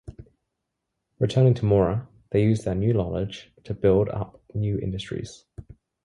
Returning to Mora they used their new knowledge to build up new industries.